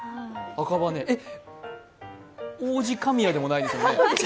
えっ、王子神谷でもないですよね。